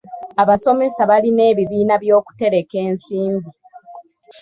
Abasomesa balina ebibiina eby'okutereka ensimbi.